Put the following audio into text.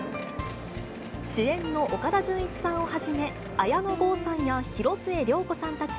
主演の岡田准一さんをはじめ、綾野剛さんや広末涼子さんたち